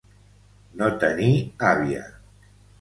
No tenir àvia.